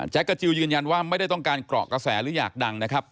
กาจิลยืนยันว่าไม่ได้ต้องการเกราะกระแสหรืออยากดังนะครับ